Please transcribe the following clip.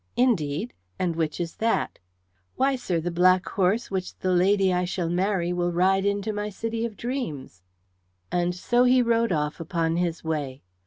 "Indeed? And which is that?" "Why, sir, the black horse which the lady I shall marry will ride into my city of dreams." And so he rode off upon his way.